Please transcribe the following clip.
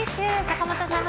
坂本さん